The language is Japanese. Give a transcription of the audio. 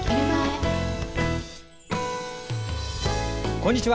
こんにちは。